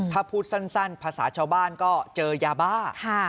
ถ้าพูดสั้นภาษาชาวบ้านก็เจอยาบ้า